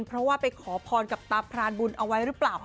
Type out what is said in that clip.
เพราะว่าไปขอพรกับตาพรานบุญเอาไว้หรือเปล่า